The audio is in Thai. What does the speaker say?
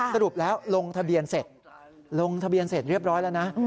สรุปแล้วลงทะเบียนเสร็จลงทะเบียนเสร็จเรียบร้อยแล้วนะ